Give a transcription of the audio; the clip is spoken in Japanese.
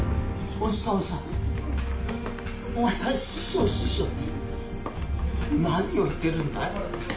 伯父さん「師匠師匠」って何を言ってるんだい？